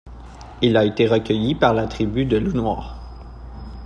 Il a été recueilli par la tribu de Loup Noir.